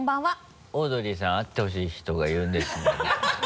「オードリーさん、会ってほしい人がいるんです。」のお時間です。